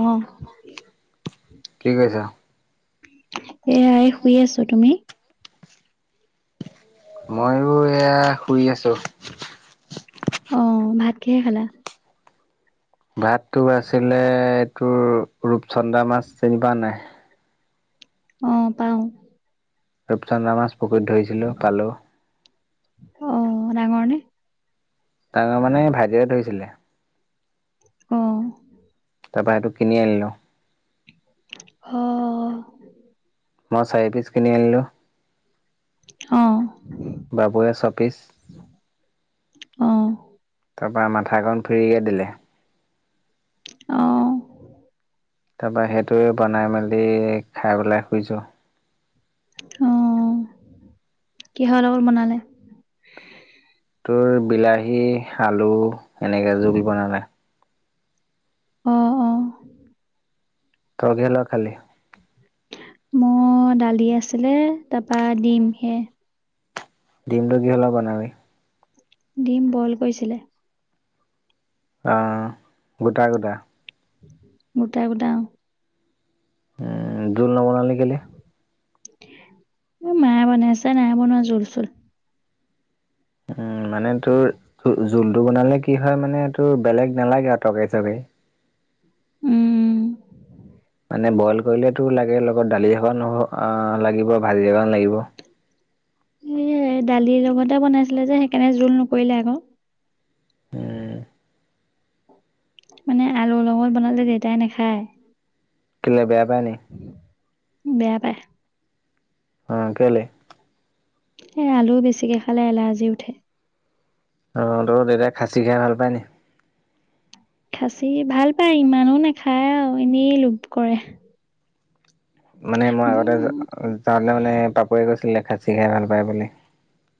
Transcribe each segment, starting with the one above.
অ কি কৰি আছা? এইয়া এই শুই আছোঁ তুমি? মইয়ো এইয়া শুই আছোঁ। অ ভাত কিহেৰে খালা? ভাতটো আছিলে এইটো ৰূপচন্দা মাছ চিনি পোৱা নাই? অ পাওঁ। ৰূপচন্দা মাছ পুখুৰীত ধৰিছিলোঁ পালোঁ। অ ডাঙৰ নে? তাৰ মানে ভাইটিয়ে ধৰিছিলে। অঁ। তাৰপৰা এইটো কিনি আনিলোঁ। অ মই চাৰিপিচ কিনি আনিলোঁ। অ বাবুয়ে চপিছ। অ তাৰপৰা মাথাাকণ ফ্ৰিকে দিলে। অ। তাৰপৰা সেইটোৱেই বনাই মেলি খাই পেলাই শুইছোঁ। অ কিহৰ লগত বনালে? তোৰ বিলাহী আলু এনেকৈ জোল বনালোঁ। অ অ। তই কিহৰ লগত খালি? মোৰ দালি আছিলে তাৰপৰা দিম সেয়াই। ডিমটো কিহ'ৰ লগত বনালি? ডিম বইল কৰিছিলে। অ গোটা গোটা। গোট গোটা অ। উম জোল নবনালি কেলে? মায়ে বনাইছে নায় বনোৱা জোল চোল। উম মানে তোৰ জোলটো বনালে কি হয় মানে তোৰ বেলেগ নালাগে আৰু তৰকাৰী চৰকাৰী। উম। মানে বইল কৰিলেতো লাগে লগত দালি অকণ লাগিব, ভাজি অকমান লাগিব। সেইয়াই দালিৰ লগতে বনাইছিলে যে সেইকাৰণে জোল নকৰিলে আক। উম, মানে আলু লগত বনালে দেউতাই নাখায়। কেলে বেয়া পাই নি? বেয়া পায়। অ কেলে। এই আলু বেছিকৈ খালে এলাৰ্জি উঠে। অ তোৰ দেউতা খাচী খাই ভাল পায় নি। খাচি ভাল পায় ইমানো নাখায় আৰু এনেই লোপ কৰে। মানে মই আগতে উম, যাওঁতে মানে বাপেৰে কৈছিল খাচি হে খাই ভাল পায় বুলি।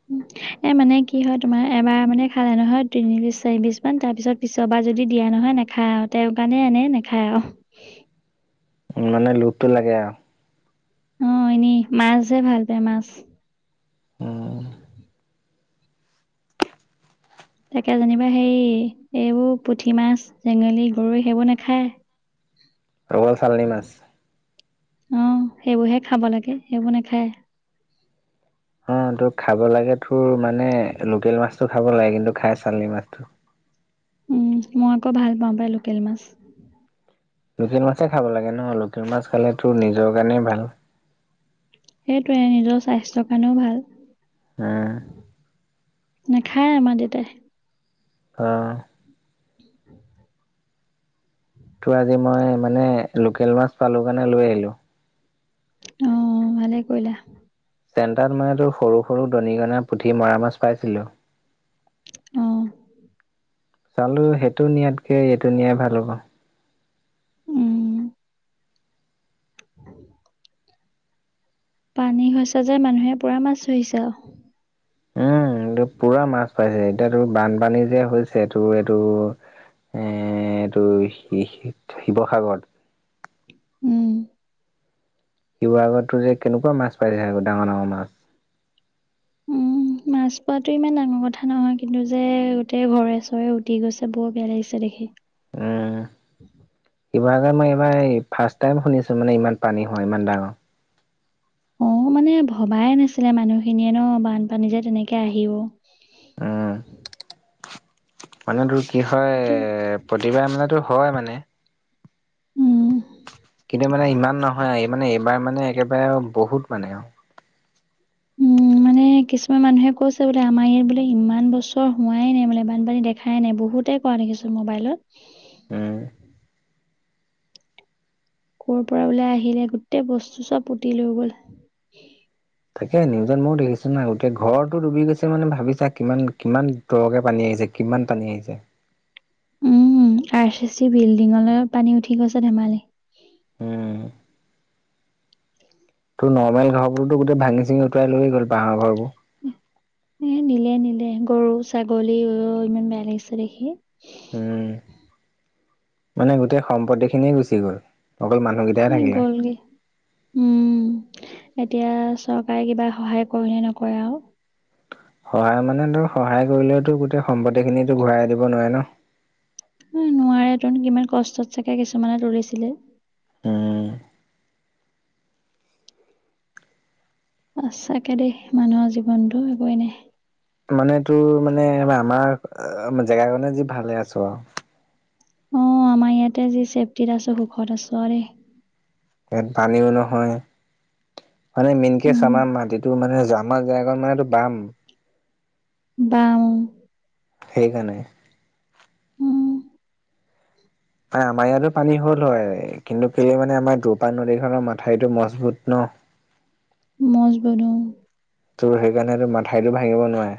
হয়। এ মানে কি হয় তোমাৰ এবাৰ মানে খালে নহয় তিনি পিচ চাৰি পিচ মান তাৰ পিছত পিছবাৰ যদি দিয়া নহয় নে! খায় আৰু তেওঁৰ কাৰণে আনে নাখায় আৰু। উম মানে লুভটো লাগে আৰু। অ এনেই মাছহে ভাল পায় মাছ। উম। তাকে যেনিবা হেই এইবোৰ পুঠি মাছ, চেঙেলী, গৰৈ সেইবোৰ নাখায়। অকল চালনী মাছ। অ' সেইবোৰহে খাব লাগে, সেইবোৰ নাখায়। অ' তোৰ খাব লাগে তোৰ মানে লোকেল মাছতটো খাব লাগে কিন্তু খাই চালী মাছটো। উম, মই আকৌ ভাল পাওঁ পাই লোকেল মাছ। লোকেল মাছে খাব লাগে ন লোকেল মাছ খালে তোৰ নিজৰ কাৰণে ভাল। সেইটোৱে নিজৰ স্বাস্থ্যৰ কাৰণেও ভাল। উম। নেখায় আমাৰ দেউতাই। অ। তোৰ আজি মই মানে লোকেল মাছ পালো কাৰণে লৈ আহিলোঁ। অ ভালে কৰিলা। চেণ্টাত মানে তোৰ সৰু সৰু দৰিকণা, পুঠি, মৰা মাছ পাইছিলোঁ। অ। চালোঁ সেইটো নিয়াতকৈ এইটো নিয়াই ভাল হ'ব। উম। পানী হৈছে যে মানুহে পুৰা মাছ ধৰিছে আউ। উম এইটো পুৰা মাছ পাই এতিয়াতো বানপানী যে হৈছে এইটো এইটো। এ এইটো শি শি শিৱসাগৰত। উম। শিৱসাগৰত টো যে কেনেকুৱা মাছ পাই থাকোঁ ডাঙৰ ডাঙৰ মাছ। উম, মাছ পোৱাটো ইমান ডাঙৰ কথা নহয় কিন্তু যে গোটেই ঘৰে চৰে উটি গৈছে বৰ বেয়া লাগিছে দেখি। উম। শিৱসাগত মই এইবাৰ ফাৰ্ষ্ট টাইম শুনিছো মানে ইমান পানী হোৱা ইমান ডাঙৰ। অ মানে ভবাই নাছিলে মানুহখিনিয়ে ন বানপানী যে তেনেকে আহিব। উম। মানে তোৰ কি হয় তে এ প্ৰতিবাৰে মানেটো হয় মানে। উম। কিন্ত মানে ইমান নহয় মানে এইবাৰ মানে একেবাৰে বহুত মানে আৰু। এ কিছুমান মানুহে কৈছে বোলে আমাৰ ইয়াত বোলে ইমান বছৰ হোৱাই নাই বোলে বানপানী দেখাই নাই বহুতে। পোৱা দেখিছোঁ মোবাইলত। উম। ক'ৰ পৰা ওলাই আহিলে গোটেই বস্তু চব পুতি থৈ গ'ল। তাকে, নিউজত মইও দেখিছো না' গোটেই ঘৰটো ডুবি গৈছে মানে ভাবি চা কিমান-কিমান- দ'কে পানী আহিছে কিমান পানী আহিছে। উমঁ, আৰ চি চি বিল্ডিঙলৈ পানী উঠি গৈছে ধেমালি। উমঁ। সেইটো নৰ্মেল ঘৰবোৰটো ভাঙি-চিঙি উটুৱাই লৈ গ'ল বাঁহৰ ঘৰবোৰ। এ' নিলে-নিলে গৰু, ছাগলী ইমান বেয়া লাগিছে দেখি। উমঁ, মানে গোটেই সম্পত্তিখিনিয়ে গুচি গ'ল। অকল মানুহে এহ গ'ল গৈ। উমঁ, এতিয়া চৰকাৰে কিবা সহায় কৰে নে নকৰে আৰু। সহায় মানে ধৰ সহায় কৰিলেও তো গোটেই সম্পত্তিখিনিটো ঘূৰাই দিব নোৱাৰে ন। নোৱাৰেটো, কিমান কষ্টত চাগে কিছুমানে তুলিছিলে। উম সঁচাকে দেই মানুহৰ জীৱনতো একোৱেই নাই। মানে তোৰ মানে আমাৰ জেগা কনে যি ভালে আছো আৰু। অ' আমাৰ ইয়াতে যি ছেফ্টিত আছো, সুখত আছো আৰু দেই। ইয়াত পানীও নহয়, মানে মেইনকেচ উম আমাৰ মাটিতো। গম পালিটো আমাৰ জেগাকণ মানে টোৰ বাম। বাম। সেইকাৰণে। উম। আমাৰ ইয়াতো পানী হ'ল হয় কিন্তু কেলে মানে আমাৰ দুপা নদীখনৰ মাথাউৰিটো মজবুত ন। [unintelligible] মজবুত অঁ',। ত' সেইকাৰণে টো মাথাউৰিটো ভাঙিব নোৱাৰে।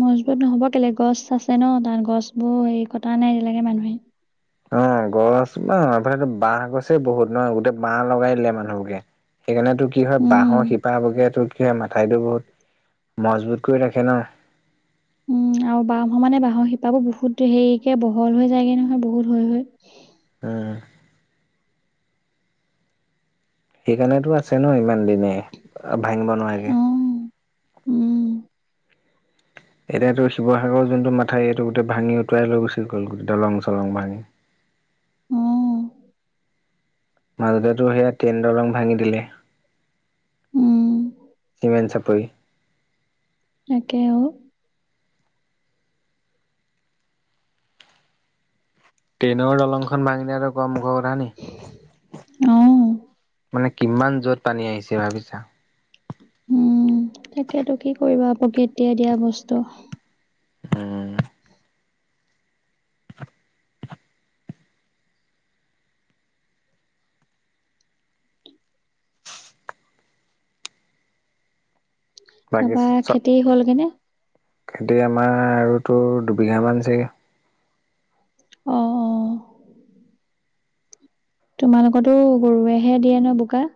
মজবুত নহ'ব কেলে গছ আছে ন' তা'ত গছবোৰ হেৰি কটা নাই এতিয়ালৈকে মানুহে। অঁ', গছ ন' এইফালেটো বাঁহ গছেই বহুত ন' গোটেই বাঁহ লগাই দিলে মানুহে। সেইকাৰণে তো কি হয় উম, বাঁহৰ শিপা বোৰে টোৰ কি হয় মাথাউৰিটো বহুত মজবুত কৰি ৰাখে ন। উমঁ, আৰু বাঁহ মানে বাঁহৰ শিপাবোৰ বহুত হেৰিকে বহল হৈ যায়গৈ নহয় বহুত হৈ-হৈ। উমঁ। সেইকাৰণেতো আছে ন' ইমান দিনে ভাঙিব নোৱাৰে। উমঁ। এনেইটো শিৱসাগৰৰ যোনটো মাথাউৰি এইটো ভাঙি উটুৱাই লৈ গুচি গ'ল গৈ দলং-চলং ভাঙি। উমঁ। মাজতেটো সেয়া ট্ৰেইনৰৰ দলং ভাঙি দিলে। উম, চিমেণ্ট চাপৰি। তাকে অঁ'। ট্ৰেইনৰ দলং খন ভাঙি নিয়া কম মুখৰ কথা নেকি। অ', মানে কিমান জোৰত পানী আহিছে ভাবিছা। উম, তাকেতো কি কৰিবা প্ৰকৃতিয়ে দিয়া বস্তু। উমঁ। বাকি তাৰপা চব খেতি হ'লগেনে? খেতি আমাৰ আৰু টো দুবিঘামান আছে। অ', অ', [unintelligible] তোমালোকৰ টো গৰুৱে'হে দিয়ে ন' বোকা?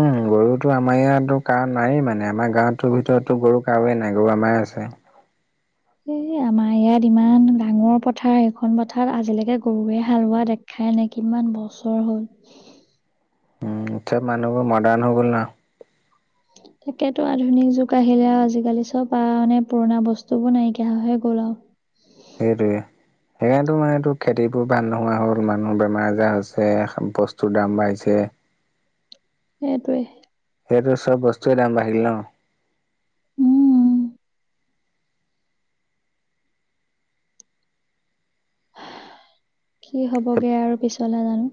উমঁ, গৰুটো আমাৰ ইয়াত কাৰো নাই মানে, আমাৰ গাঁৱৰ ভিতৰতটো গৰু কাৰোৱেই নাই গৰু আমাৰহে আছে। এই আমাৰ ইয়াত ইমান ডাঙৰ পথাৰ সেইখন পথাৰত আজিলৈকে গৰুৱে হাল বোৱা দে খাই নাই কিমান বছৰ হ'ল। উম! এতিয়া মানুহবোৰ মডাৰ্ণ হৈ গ'ল না। তাকেটো আধুনিক যুগ আহিলে আৰু আজিকালি চব আৰু মানে পুৰণা বস্তুবোৰ নাইকিয়া হৈ হে গ'ল আৰু। সেইটোৱে। সেইকাৰণেটো মানেটো খেতিবোৰ ভাল নোহোৱা হ'ল, মানুহৰ বেমাৰ-আজাৰ হৈছে, বস্তুৰ দাম বাঢ়িছে। সেইটোৱে। সেইটোৱে চব বস্তুৱে দাম বাঢ়িল ন? উম। কি হ'ব গে আৰু পিছলে জানো।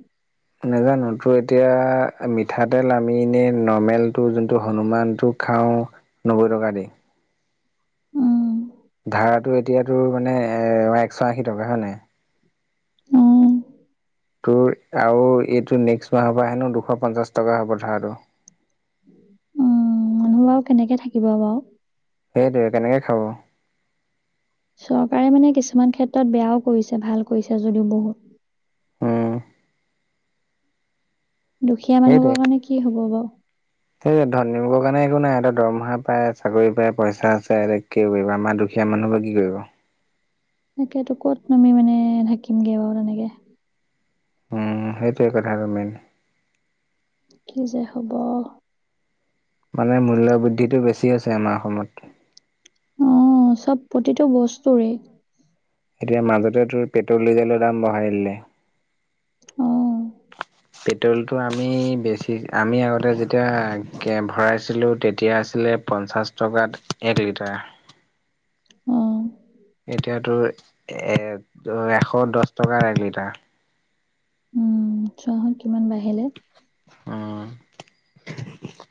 নাজানো। তোৰ এতিয়া মিঠাতেল আমি এনেই নৰ্মেলটো যোনটো হনুমানটো খাওঁ নব্বৈ টকা দি। উম। ধাৰাটো এতিয়া তোৰ মানে এশ আশী টকা হয় নাই? উম তোৰ আৰু এইটো নেক্সট মাহৰ পৰা হেনো দুশ পঞ্চাছ টকা হ'ব ধাৰাটো। উম মানুহ বাৰু কেনেকে থাকিব বাৰু? সেইটোৱে কেনেকে খাব। চৰকাৰে মানে কিছুমান ক্ষেত্ৰত বেয়াও কৰিছে, ভাল কৰিছে যদিও বহুত। উম দুখীয়া মানুহবোৰৰ কাৰণে কি হ'ব বাৰু। এই ধনীবোৰৰ কাৰণে একো নাই এহঁতৰ দৰমহা পাই, চাকৰি পাই পইচা আছে, কি কৰিব? আমাৰ দু দুখীয়া মানুহবোৰে কি কৰিব। তাকেতো ক'ত আমি মানে থাকিম গে বাৰু তেনেকে। উম-উম! সেইটোৱে কথাটো মেইন। কি যে হ'ব? মানে মূল্য বৃদ্ধিটো বেছি হৈছে আমাৰ অসমত। অঁ! চব প্ৰতিটো বস্তুৰেই। এতিয়া মাজতে তোৰ পেট্ৰ'ল, ডিজেলৰ দাম বঢ়াই দিলে। অঁ। পেট্ৰ'লটো আমি বেছি আমি আগতে যেতিয়া কে ভৰাইছিলোঁ তেতিয়া আছিলে পঞ্চাছ টকাত এক লিটাৰ। অ এতিয়া তোৰ এ এশ দহ টকাৰ এক লিটাৰ। উম! চোৱা চোন কিমান বাঢ়িলে। অঁ! [unintelligible]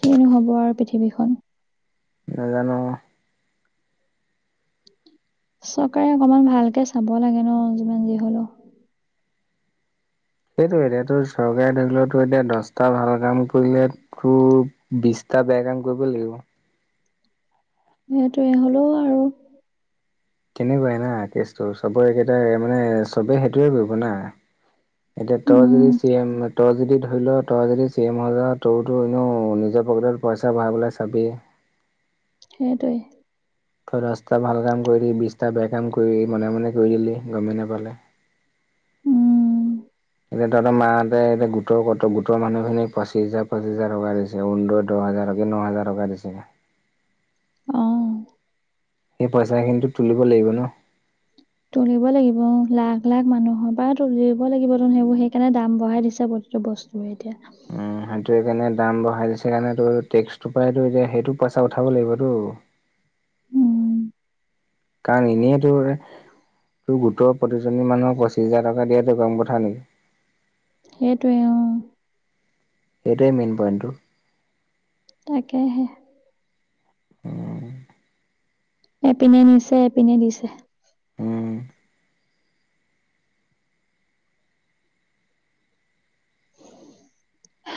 কিনো হ'ব আৰু পৃথিৱীখন। নাজানো। চৰকাৰে অকমান ভালকে চাব লাগে ন যিমান যি হলোঁ। সেইটো এতিয়া তোৰ চৰকাৰে ধৰি লোৱা এতিয়া দহটা ভাল কাম কৰিলে আকৌ বিছটা বেয়া কাম কৰিব লাগিব। সেইটোৱে হ'লেও আৰু। তেনেকুৱাই না কেচটো চবৰে একেইটা মানে চবে সেইটোৱে কৰিব না। এতিয়া তই যদি উম চিএম। তই যদি ধৰি ল তই যদি চিএম হৈ যাৱ ত‌ইতো এনেও নিজৰ পকেটত পইচা ভৰাবলে চাবি। সেইটোৱে। ত‌ই দহটা ভাল কাম কৰিলি, বিছটা বেয়া কাম কৰিলি মনে-মনে কৰি দিলি গমে নাপালে। উম এতিয়া তহঁতৰ মাহঁতে এতিয়া গোটৰ ক গোটৰ মানুহখিনিক পঁচিছ হাজাৰ পঁচিছ হাজাৰ টকা দিছে। অৰুণোদয়ৰ দহ হাজাৰকে ন হাজাৰ টকা দিছে। অ। সেই পইচা খিনিতো তুলিব লাগিব ন। তুলিব লাগিব লাখ লাখ মানুহৰ পৰা তুলিব লাগিব ত সেইবোৰ সেইকাৰণে দাম বঢ়াই দিছে প্ৰতিটো বস্তুৰ। মৰ এতিয়া। উম সেইটো সেইকাৰণে দাম বঢ়াই দিছে কাৰণে তো টেক্সটোৰ পৰাইতো এতিয়া সেইটো পইচা উঠাব লাগিবতো। [inaudible] উম কাৰণ এনেই তোৰ তোৰ গোটৰ। প্ৰতিজনী মানুহ পচিছ হাজাৰ টকা দিয়াটো কম কথা নেকি। সেইটোৱে অ। সেইটোৱে মেইন পইণ্টটো। তাকেহে। উম। এপিনে নিছে এপিনে দিছে। উম,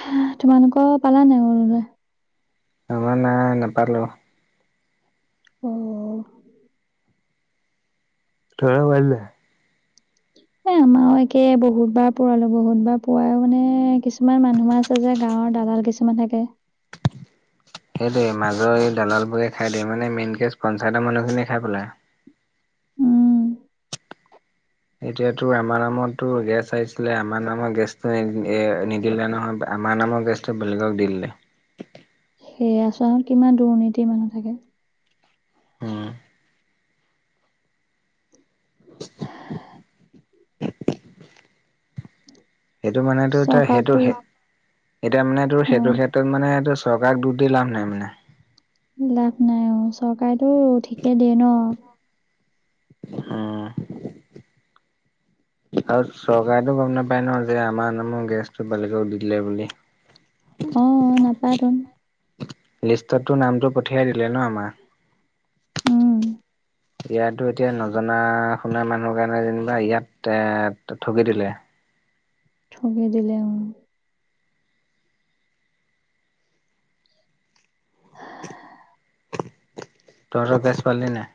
হ তোমালোকৰ পালা নাই অৰুণোদয়? আমাৰ নাই নাপালোঁ। অ। ত‌ই পালি নাই? উ। আমাৰও একে বহুত বাৰ পোৱালো বহুত বাৰ পুৱাইও মানে কিছুমান মানুহ আছে যে গাঁৱৰ দালাল কিছুমান। কিছুমান থাকে। সেইটোৱেই মাজৰ এই দালাল বোৰে খাই দিয়ে মানে মেইন কেচ পঞ্চায়তৰ মানুহখিনিয়ে খাই পেলাই। উম। এতিয়াতো আমাৰ নামতো গেছ আহিছিলে আমাৰ নামত গেছটো নি এ নিদিলে নহয় আমাৰ নামৰ গেছ। ত বেলেগক দিলি নে। সেই আচৰণ কিমান দুৰ্নীতিৰ মানুহ থাকে। উম। সেইটো মানেটো এতিয়া চৰকাৰকতো সেইটোহে এতিয়া মানেটো সেইটোহে। অ' ত মানে এইটো চৰকাৰক দুখ দি লাভ নাই মানে। লাভ নাই অ চৰকাৰেতো ঠিকে দিয়ে ন। আহ। আৰু চৰকাৰেতো গম নাপায় ন যে আমাৰ নামৰ গেছটো বেলেগক দি দিলে বুলি। অ নাপায় তো। লিষ্টততো নামটো পঠিয়াই দিলে ন আমাৰ। উম। ইয়াত এতিয়া নজনা শুনা মানুহৰ কাৰণে যেনিবা ইয়াত এ ঠগি দিলে। কৰি দিলে অ। হা। তহঁত গেছ পালি নাই?